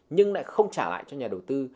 nhưng lại không trả lại cho nhà đầu tư